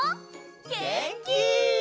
げんき！